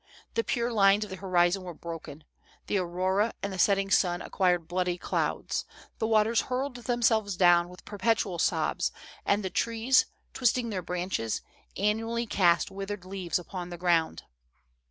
The pure lines of the horizon were broken. The au rora and the setting sun acquired bloody clouds; the waters hurled themselves down with perpetual sobs, and the trees, twisting their branches, annually cast withered leaves upon the ground."